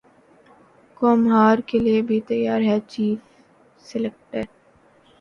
قوم ہار کیلئے بھی تیار رہے چیف سلیکٹر